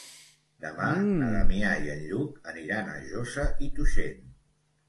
Demà na Damià i en Lluc aniran a Josa i Tuixén.